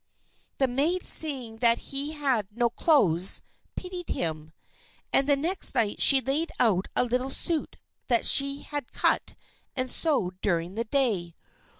_" The maid, seeing that he had no clothes, pitied him, and the next night she laid out a little suit that she had cut and sewed during the day.